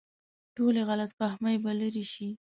ټولې غلط فهمۍ به لرې شي.